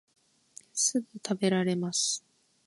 すぐたべられます